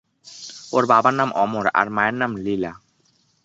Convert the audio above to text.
ওর বাবার নাম অমর, আর মায়ের নাম লীলা।